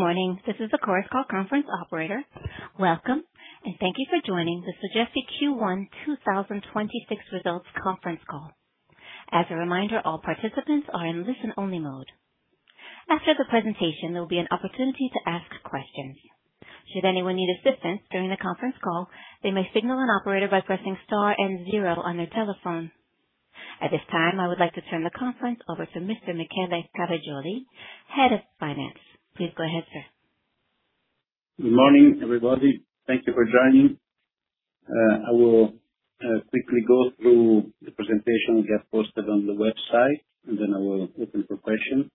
Good morning. This is the Chorus Call conference operator. Welcome, and thank you for joining the Sogefi Q1 2026 Results conference call. As a reminder, all participants are in listen-only mode. After the presentation, there'll be an opportunity to ask questions. Should anyone need assistance during the conference call, they may signal an operator by pressing star and zero on their telephone. At this time, I would like to turn the conference over to Mr. Michele Cavigioli, Head of Finance. Please go ahead, sir. Good morning, everybody. Thank you for joining. I will quickly go through the presentation we have posted on the website, and then I will open for questions.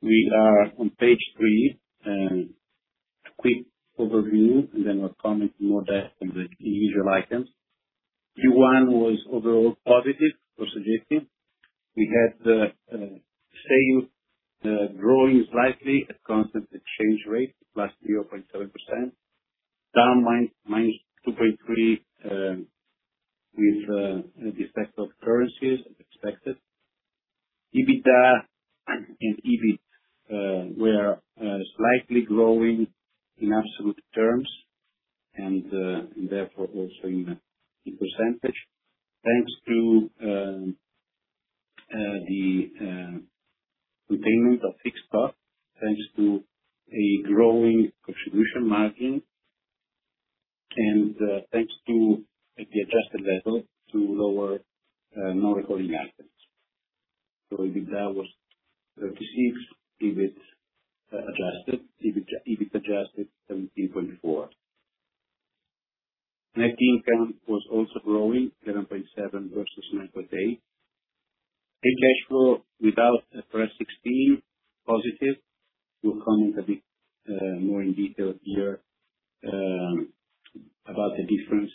We are on page three, a quick overview, and then we'll comment more in depth on the usual items. Q1 was overall positive for Sogefi. We had the sales growing slightly at constant exchange rate, +0.7%, down -2.3% with the effect of currencies as expected. EBITDA and EBIT were slightly growing in absolute terms and therefore also in percentage. Thanks to the containment of fixed costs, thanks to a growing contribution margin and thanks to the adjusted level to lower non-recurring items. EBITDA was 36 million, EBIT adjusted 30.4 million. Net income was also growing, 11.7 million versus 9.8 million. Free cash flow without IFRS 16 positive. We'll comment a bit more in detail here about the difference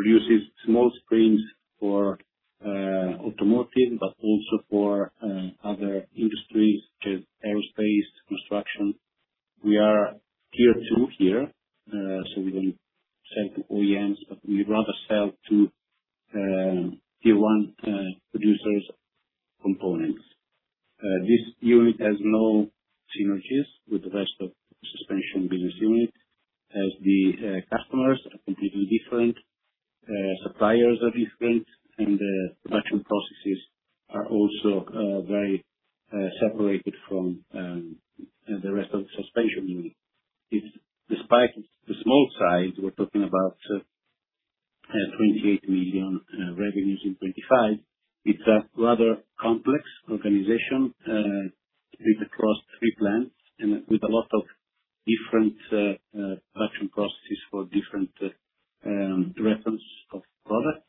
versus 2025, and also the difference with the IFRS 16 free cash flow, which is different due to IFRS16 items that I will explain later. Net financial position without IFRS 16, EUR 4.8 million debt, so almost zero debt, and EUR 48.6 million, including the IFRS 16. The other remarkable piece of news in Q1 was the sale of the Precision Springs business unit, which happened as of the approval of the Q1 result last Friday. Precision Springs is a small unit within the Suspensions division. It produces small springs for automotive, but also for other industries such as aerospace, construction. We are Tier 2 here, so we don't sell to OEMs, but we rather sell to Tier 1 producers of components. This unit has no synergies with the rest of the Suspensions business unit, as the customers are completely different, suppliers are different, and the production processes are also very separated from the rest of the Suspensions unit. Despite its small size, we're talking about 28 million revenues in 2025. It's a rather complex organization, spread across three plants and with a lot of different production processes for different reference of products,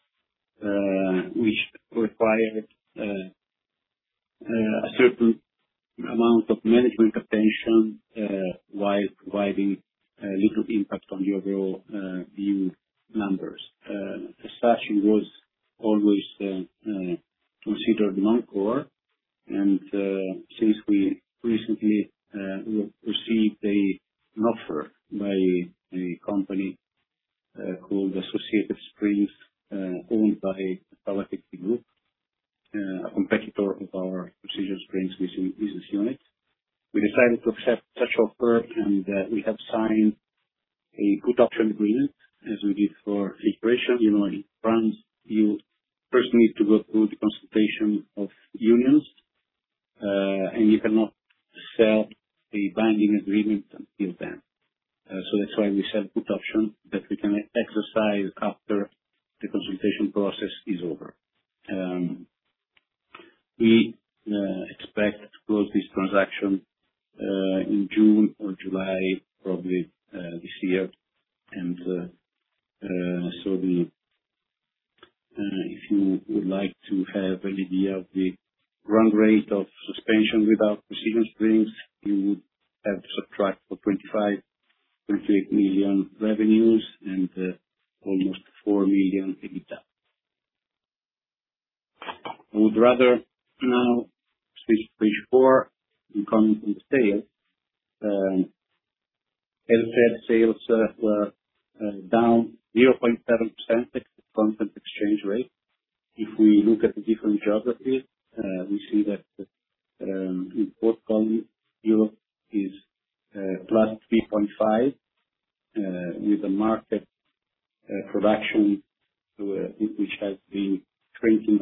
which require a certain amount of management attention, while providing little impact on the overall group numbers. Suspensions was always considered non-core. Since we recently received an offer by a company called Associated Spring, owned by the Falecchi Group, a competitor of our Precision Springs business unit, we decided to accept such offer, and we have signed a put option agreement, as we did for CIGRE, you know, in France. You first need to go through the consultation of unions, and you cannot sign a binding agreement until then. That's why we sign put option that we can exercise after the consultation process is over. We expect to close this transaction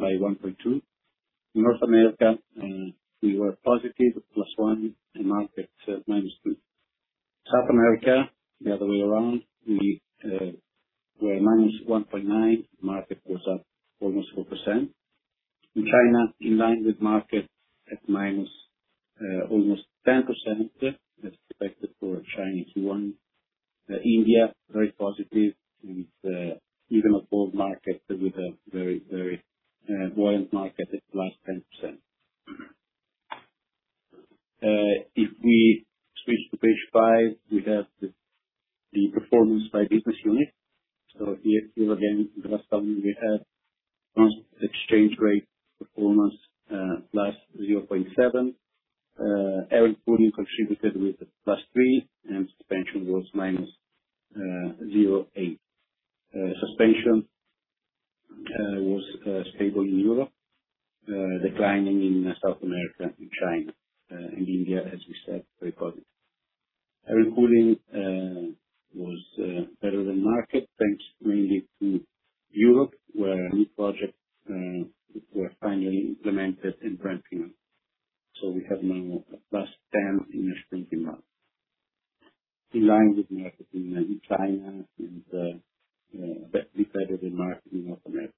in June or July, probably, this year. So the... If you would like to have an idea of the run rate of suspension without Precision Springs, you would have to subtract the EUR 25.8 million revenues and almost EUR 4 million EBITDA. I would rather now switch to page four and comment on sales. As said, sales are down 0.7% at constant exchange rate. If we look at the different geographies, we see that in Europe is +3.5% with a market production which has been shrinking by -1.2%. North America, we were positive +1% and market -2%. South America, the other way around, we were -1.9%, market was up 0.4%. In China, in line with market at -almost 10%. That's expected for Chinese one. India very positive with a very buoyant market at +10%. If we switch to page five, we have the performance by business unit. Here again, like last time we had exchange rate performance +0.7%. Air & Cooling contributed with +3%, and Suspensions was -0.8%. Suspensions was stable in Europe, declining in South America, in China, in India, as we said, very positive. Air & Cooling was better than market, thanks mainly to Europe, where new projects were finally implemented and ramping up. We have now +10% in a shrinking market. In line with market in China and beat the market in North America.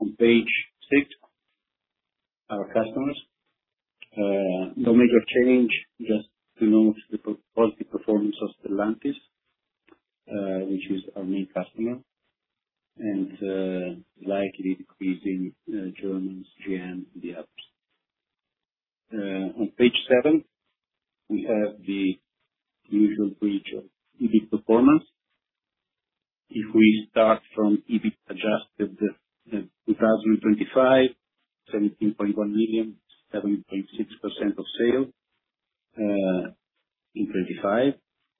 On page six, our customers. No major change, just to note the very positive performance of Stellantis, which is our main customer, and likely decreasing German OEMs, GM, FIAT. On page seven, we have the usual page of EBIT performance. If we start from EBIT adjusted 2025, 17.1 million, 7.6% of sales. In 2025,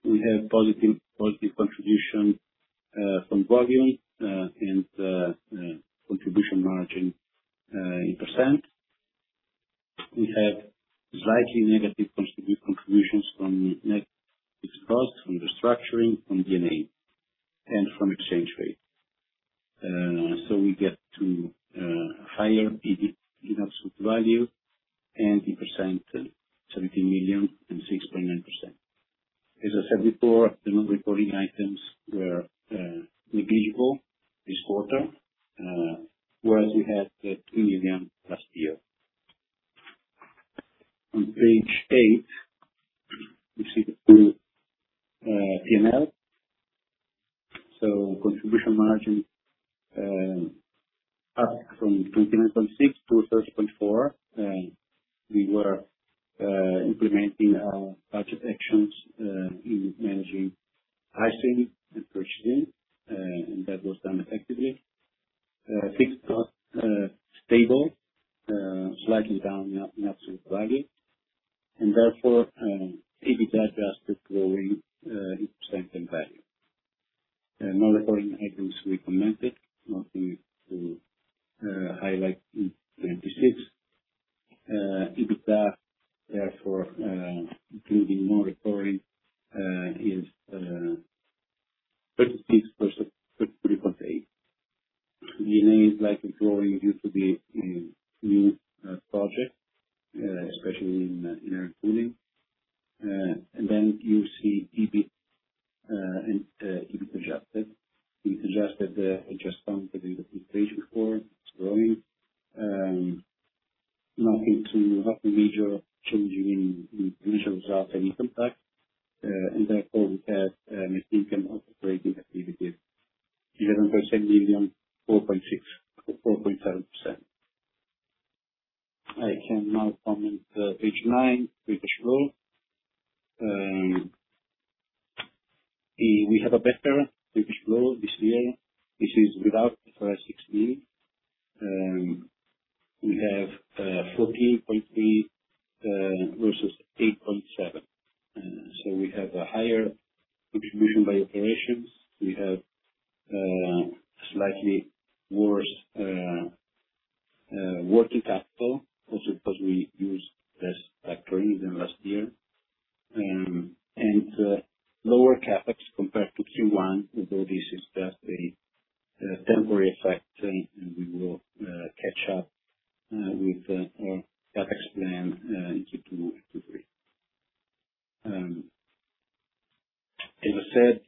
we have positive contribution from volume and contribution margin in percent. We have slightly negative contributions from net exposure, from restructuring, from D&A and from exchange rate. We get to higher EBIT in absolute value and in percent 17 million and 6.9%. As I said before, the non-recurring items were negligible this quarter, whereas we had 3 million last year. On page eight, you see the P&L. Contribution margin up from 29.6% to 30.4%. We were implementing our budget actions in managing pricing and purchasing, and that was done effectively. Fixed cost stable, slightly down in absolute value. EBITDA adjusted growing in percent and value. Non-recurring items we commented, nothing to highlight in 2026. EBITDA, therefore, including non-recurring, is 36%, EUR 33.8 million. D&A is likely growing due to the new project, especially in Air & Cooling. You see EBIT and EBIT adjusted. We adjusted for the integration cost growing. Nothing major change in financial result and income tax. We have net income of operating activities EUR 11 million, 4.5%. I can now comment page nine, free cash flow. We have a better free cash flow this year, which is without IFRS 16. We have 14.3 million versus 8.7 million. We have a higher contribution by operations. We have slightly worse working capital, also because we used less factoring than last year. Lower CapEx compared to Q1, although this is just a temporary effect, and we will catch up with our CapEx plan in Q2, Q3. As I said,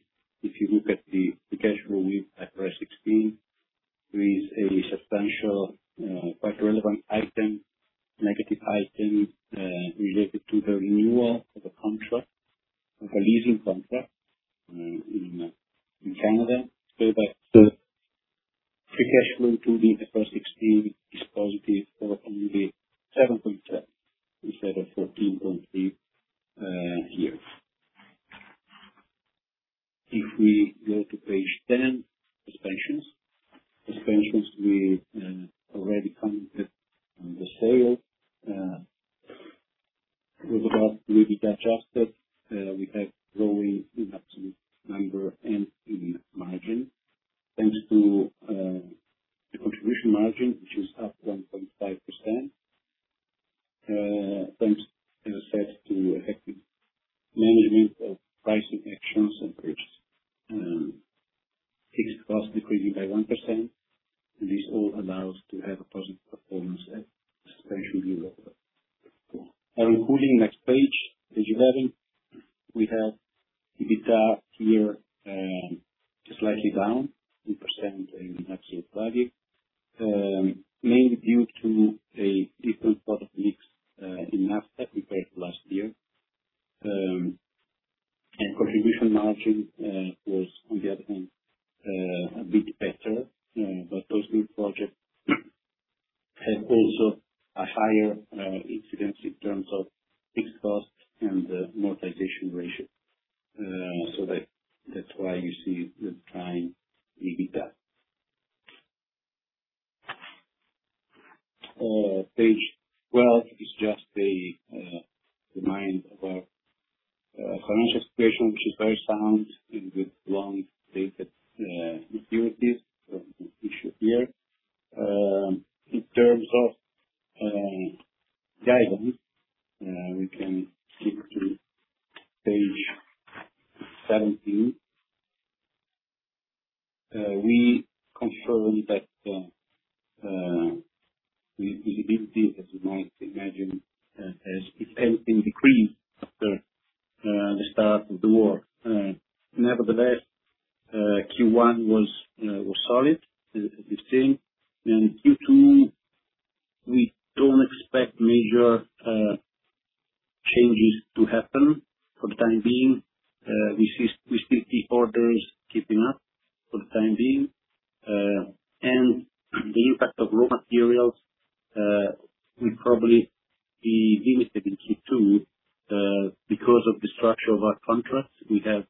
because of the structure of our contracts. We have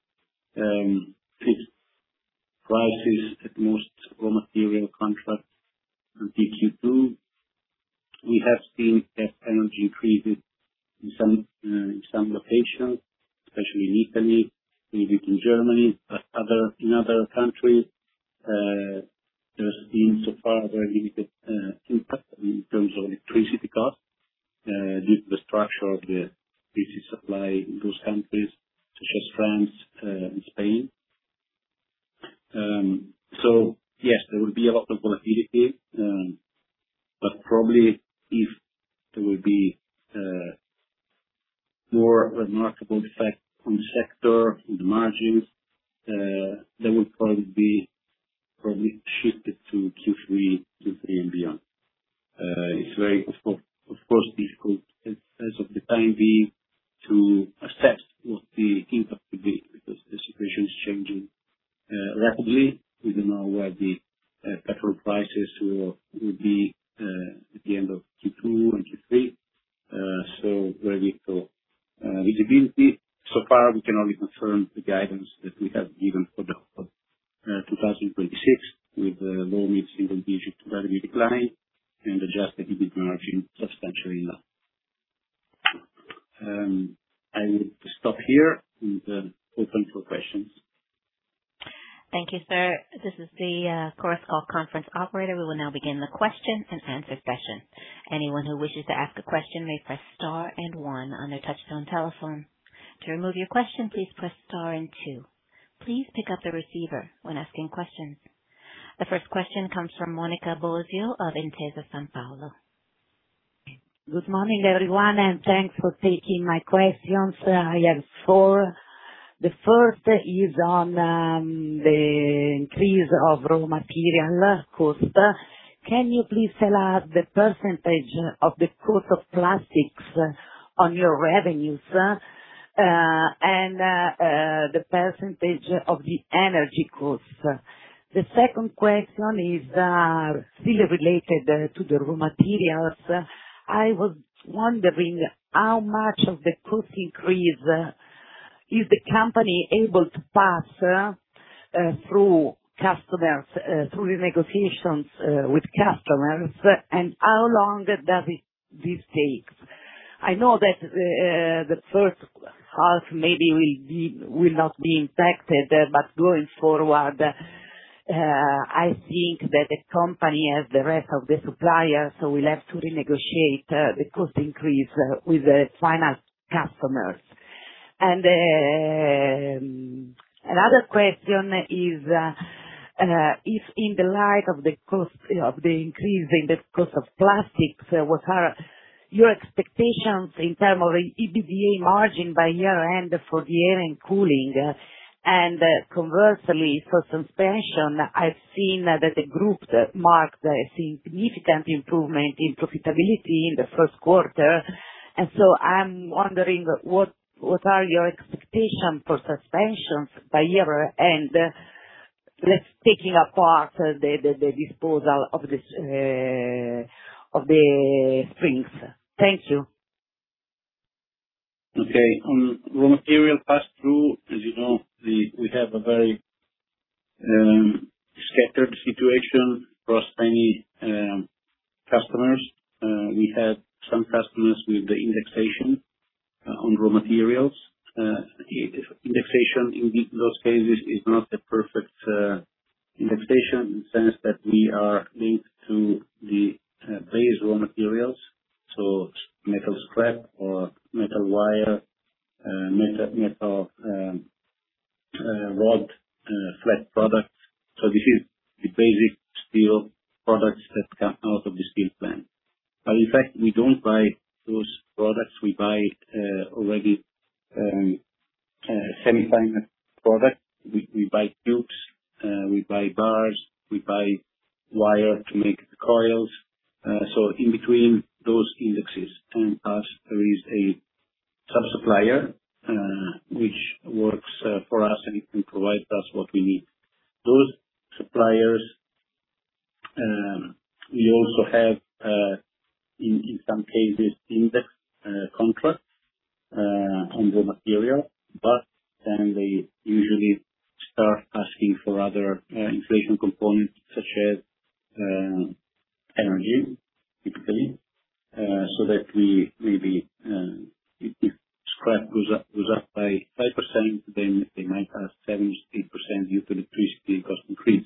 fixed prices in most raw material contracts until Q2. We have seen that energy increases in some locations, especially in Italy, a little bit in Germany, but in other countries, there's been so far a very limited impact in terms of electricity costs due to the structure of the power supply in those countries such as France and Spain. Yes, there will be a lot of volatility, but probably if there will be more remarkable effect on the sector, on the margins, that will probably be shifted to Q3 and beyond. It's very, of course, difficult as of the time being to assess what the impact will be because the situation is changing rapidly. We don't know what the petrol prices will be at the end of Q2 and Q3, so very little visibility. So far we can only confirm the guidance that we have given for 2026 with low- to mid-single-digit revenue decline and adjusted EBIT margin substantially lower. I will stop here and open for questions. Thank you, sir. This is the Chorus Call conference operator. We will now begin the question and answer session. Anyone who wishes to ask a question may press star and one on their touchtone telephone. To remove your question, please press star and two. Please pick up the receiver when asking questions. The first question comes from Monica Bosio of Intesa Sanpaolo. Good morning, everyone, and thanks for taking my questions. I have four. The first is on the increase of raw material cost. Can you please tell us the percentage of the cost of plastics on your revenues, and the percentage of the energy costs? The second question is still related to the raw materials. I was wondering how much of the cost increase is the company able to pass through customers through the negotiations with customers? How long does this take? I know that the first half maybe will not be impacted, but going forward, I think that the company, as the rest of the suppliers, will have to renegotiate the cost increase with the final customers. Another question is, if in the light of the cost of the increase in the cost of plastics, what are your expectations in terms of the EBITDA margin by year-end for the air and cooling? Conversely, for suspension, I've seen that the group marked a significant improvement in profitability in the first quarter. I'm wondering what are your expectation for suspensions by year-end, let's take apart the disposal of the springs. Thank you. Okay. Raw material pass-through, as you know, we have a very scattered situation across many customers. We have some customers with the indexation on raw materials. The indexation in those cases is not the perfect indexation in the sense that we are linked to the base raw materials, so metal scrap or metal wire, metal rod, flat products. This is the basic steel products that come out of the steel plant. In fact, we don't buy those products. We buy already semi-finished product. We buy tubes, we buy bars, we buy wire to make coils. In between those indexes and us, there is a sub-supplier which works for us, and it provides us what we need. Those suppliers, we also have in some cases index contracts on raw material, but then they usually start asking for other inflation components such as energy, typically, so that we maybe if scrap goes up by 5%, then they might have 7%-8% due to electricity cost increase.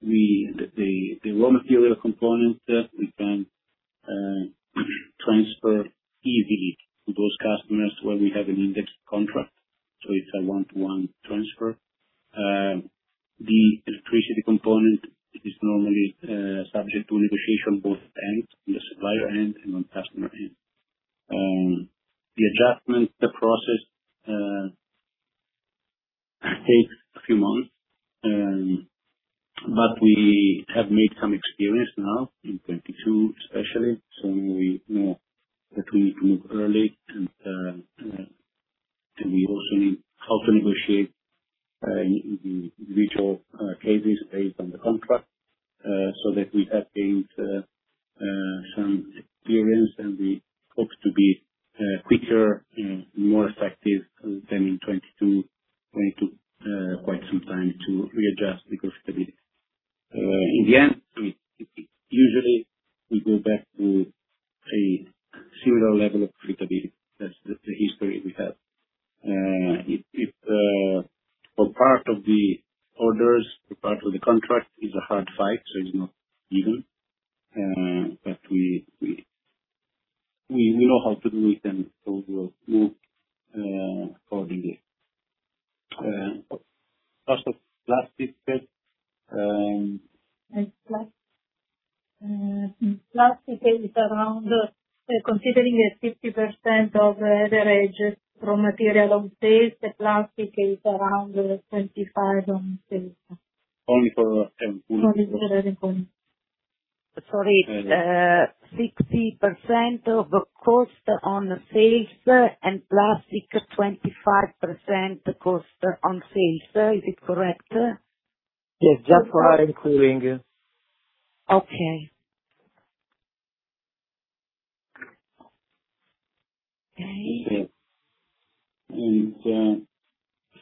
The raw material components that we can transfer easily to those customers where we have an index contract. It's a one-to-one transfer. The electricity component is normally subject to negotiation both ends, on the supplier end and on customer end. The adjustment process takes a few months, but we have made some experience now in 2022, especially, so we know that we need to move early and we also need how to negotiate in the individual cases based on the contract, so that we have gained some experience, and we hope to be quicker and more effective than in 2022. 2022 quite some time to readjust the profitability. In the end, usually we go back to a similar level of profitability. That's the history we have. Part of the orders, or part of the contract is a hard fight, so it's not even, but we know how to do it, so we'll move accordingly. Cost of plastics is, Plastic is around, considering a 60% of average raw material on sales, the plastic is around 25% on sales. Only for. No, this is everything. Sorry. Uh- 60% of cost of sales and plastic at 25% cost of sales. Is it correct? Yes. Just raw material including. Okay.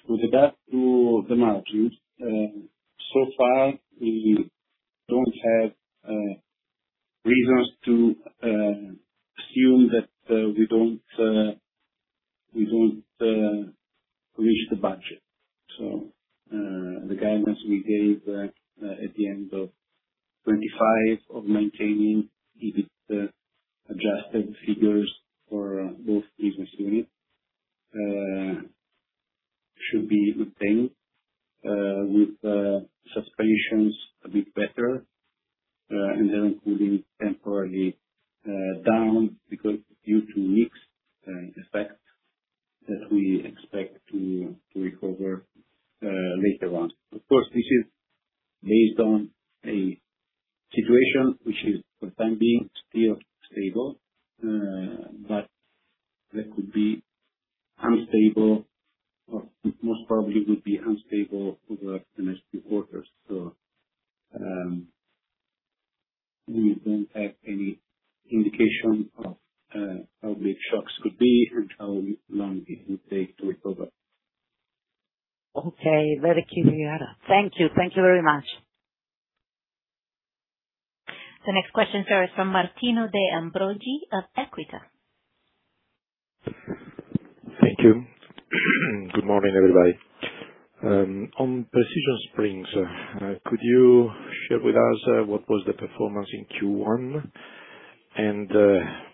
With that, back to the margins, so far we don't have reasons to assume that we don't reach the budget. The guidance we gave at the end of 2025 of maintaining EBITDA adjusted figures for both business units should be retained, with Suspensions a bit better, and then Air & Cooling temporarily down because due to mix effect that we expect to recover later on. Of course, this is based on a situation which is, for the time being, still stable, but that could be unstable or most probably would be unstable over the next few quarters. We don't have any indication of how big shocks could be and how long it would take to recover. Okay. Very clear. Thank you. Thank you very much. The next question is from Martino De Ambroggi of Equita. Thank you. Good morning, everybody. On Precision Springs, could you share with us what was the performance in Q1?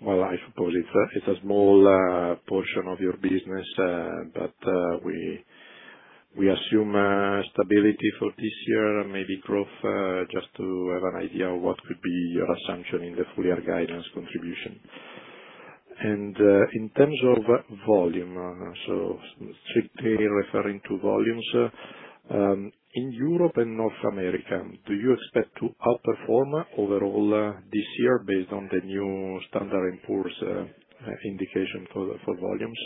Well, I suppose it's a small portion of your business, but we assume stability for this year, maybe growth, just to have an idea of what could be your assumption in the full year guidance contribution. In terms of volume, so strictly referring to volumes in Europe and North America, do you expect to outperform overall this year based on the new standard imports indication for volumes?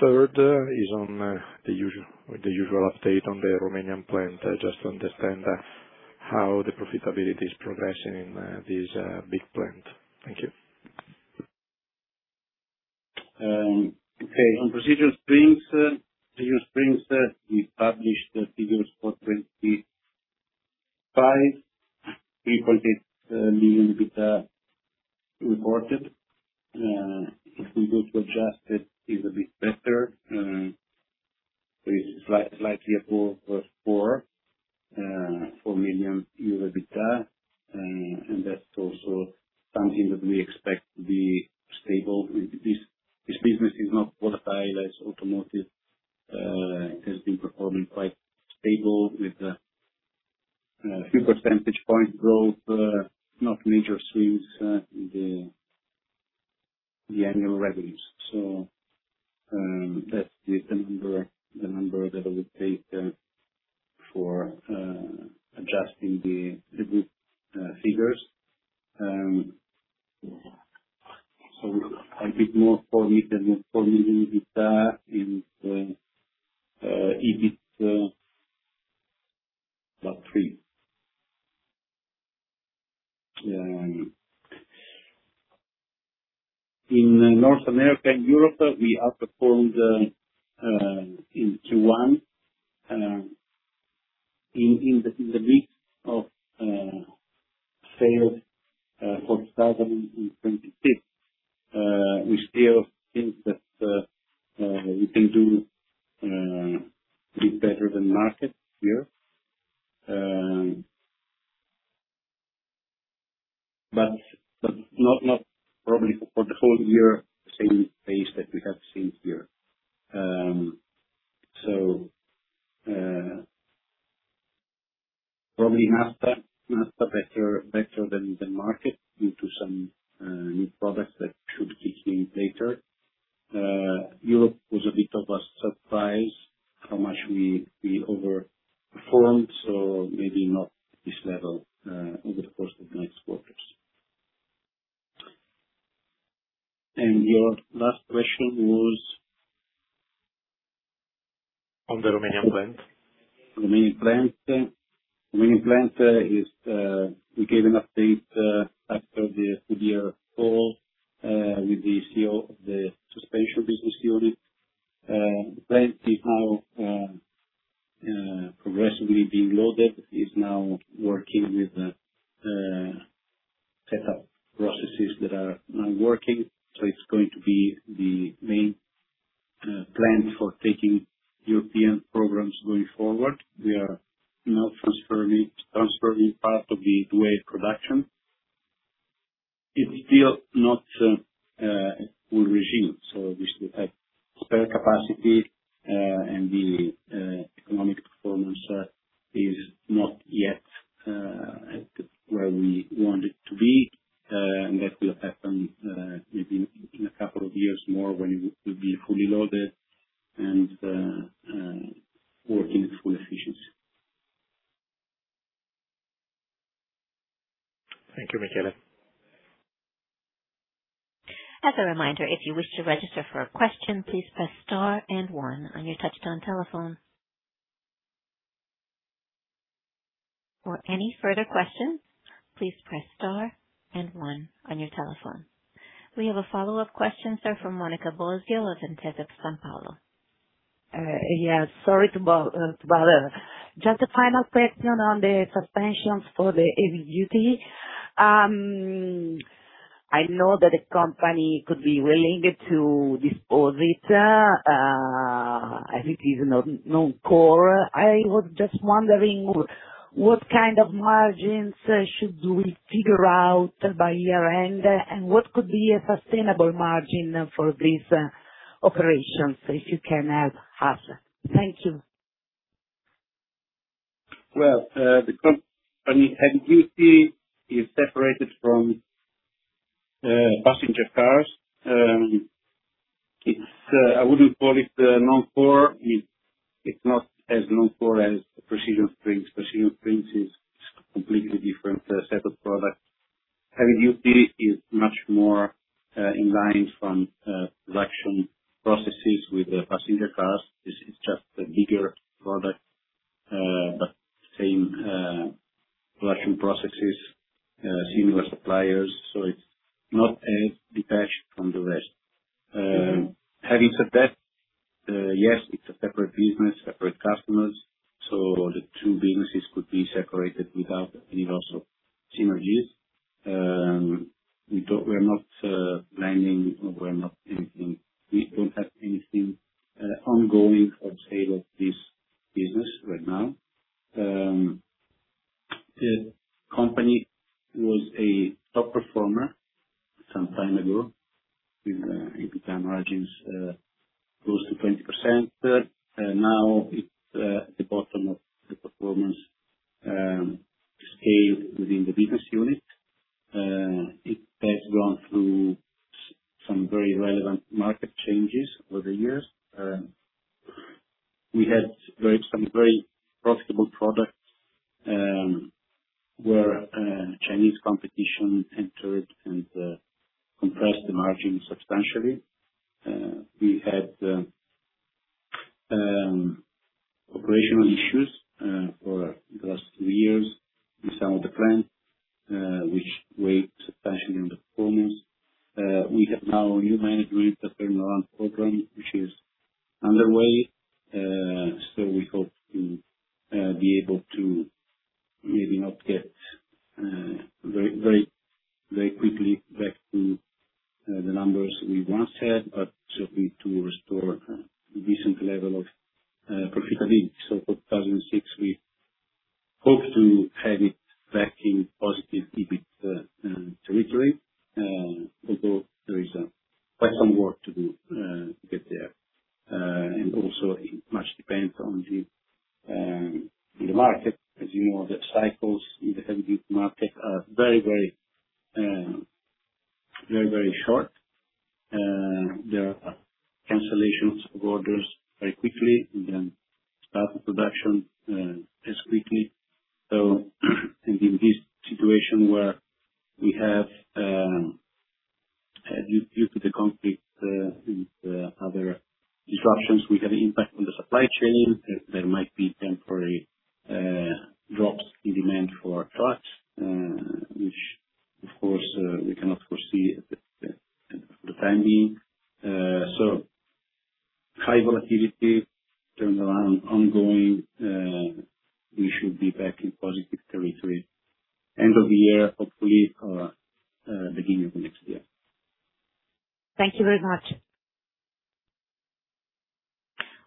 Third is on the usual update on the Romanian plant, just to understand how the profitability is progressing in this big plant. Thank you. On Precision Springs, we published the figures for 2025, reported 4 million EBITDA. Reported if we go to adjust it's a bit better. Slightly above 4 million euro EBITDA, and that's also something that we expect to be stable with this. This business is not volatile as automotive. It has been performing quite stable with few percentage point growth, not major swings in the annual revenues. That is the number that I would take for adjusting the group figures. A bit more than EUR 4 million EBITDA and EBIT about EUR 3 million. In North America and Europe, we outperformed in Q1. In the mix of sales for [inaudible] in 2026. We still think that we can do a bit better than market here. But not probably for the whole year, same pace that we have seen here. Probably [inaudible] not a better than the market due to some new products that should kick in later. Europe was a bit of a surprise how much we overperformed, so maybe not this level over the course of the next quarters. Your last question was? On the Romanian plant. The Romanian plant is. We gave an update after the year call with the CEO of the Suspensions business unit. The plant is now progressively being loaded. It's now working with the set up processes that are now working. It's going to be the main plant for taking European programs going forward. We are now transferring part of the production. It's still not a full regime, so we still have spare capacity, and the economic performance is not yet at where we want it to be. That will happen maybe in a couple of years more when it will be fully loaded and working at full efficiency. Thank you, Michele. As a reminder if you wish to register for a question please press star and one on your touchstone telephone. For any further question please press star and one on your telephone. We have a follow-up question, sir, from Monica Bosio of Intesa Sanpaolo. Yes, sorry to bother. Just a final question on the Suspensions for the Heavy Duty. I know that the company could be willing to dispose it. As it is non-core. I was just wondering what kind of margins should we figure out by year-end? What could be a sustainable margin for these operations, if you can help us? Thank you. Well, the company Heavy Duty is separated from Passenger Cars. It's, I wouldn't call it non-core. It's not as non-core as Precision Springs. Precision Springs is completely different set of products. Heavy Duty is much more in line with production processes with the Passenger Cars. This is just a bigger product, but same production processes, similar suppliers, so it's not as detached from the rest. Having said that, yes, it's a separate business, separate customers, so the two businesses could be separated without the need of synergies. We're not We hope to be able to maybe not get very quickly back to the numbers we once had, but simply to restore a decent level of profitability. For 2026, we hope to have it back in positive EBIT territory, although there is quite some work to do to get there. Also it very much depends on the market. As you know, the cycles in the Heavy Duty market are very short. There are cancellations of orders very quickly and then start the production as quickly. In this situation where we have due to the conflict and other disruptions, we have impact on the supply chain. There might be temporary drops in demand for trucks, which of course we cannot foresee for the time being. High volatility turnaround ongoing. We should be back in positive territory end of the year, hopefully, or beginning of next year. Thank you very much.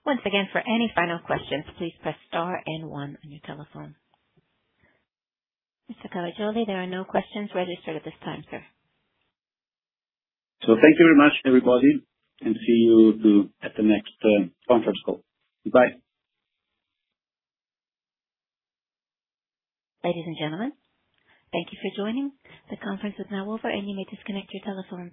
Once again, for any final questions, please press star and one on your telephone. Mr. Cavigioli, there are no questions registered at this time, sir. Thank you very much, everybody, and see you too at the next conference call. Goodbye. Ladies and gentlemen, thank you for joining. The conference is now over, and you may disconnect your telephones.